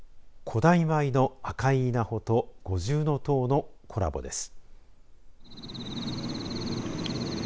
古代米の赤い稲穂と五重塔のコラボです。